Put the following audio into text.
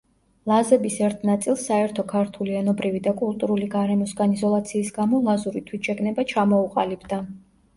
ლაზების ერთ ნაწილს საერთო ქართული ენობრივი და კულტურული გარემოსგან იზოლაციის გამო ლაზური თვითშეგნება ჩამოუყალიბდა.